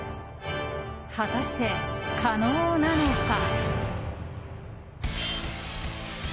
果たして、可能なのか。